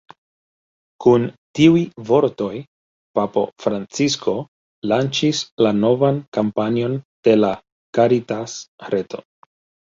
Kun tiuj vortoj papo Francisko, lanĉis la novan kampanjon de la Caritas-reto.